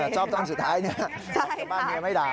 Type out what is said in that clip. ชอบตอนสุดท้ายนะบ้านเมียไม่ด่า